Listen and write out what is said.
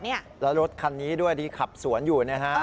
แล้วรถคันนี้ด้วยที่ขับสวนอยู่นะฮะ